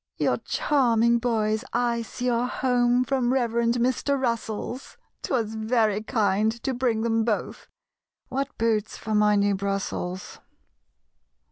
"Your charming boys I see are home From Reverend Mr. Russell's; 'Twas very kind to bring them both (What boots for my new Brussels!)